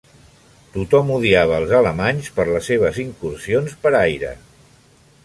Tothom odiava els alemanys per les seves incursions per aire.